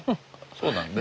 そうなのね。